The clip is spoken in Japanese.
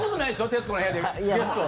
「徹子の部屋」で、ゲスト。